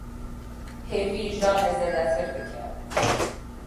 Hêvî, janê zêdetir dike.